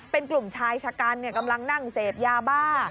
เป็นกลุ่มชายชะกันกำลังนั่งเสพยาบ้า